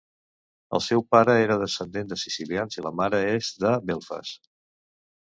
El seu pare era descendent de sicilians i la mare és de Belfast.